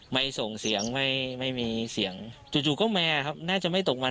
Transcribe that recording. ไม่ส่งเสียงไม่ไม่มีเสียงจู่ก็แมวครับน่าจะไม่ตกวัน